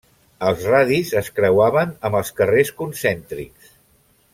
Els radis es creuaven amb els carrers concèntrics.